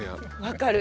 分かる。